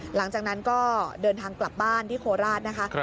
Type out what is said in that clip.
หลังจากนั้นก็เดินทางกลับบ้านที่โคราชนะคะ